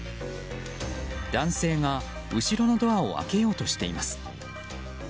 男性が後ろのドアを開けようとしています。